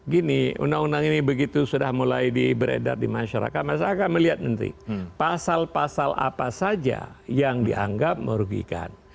gini undang undang ini begitu sudah mulai di beredar di masyarakat masyarakat melihat nanti pasal pasal apa saja yang dianggap merugikan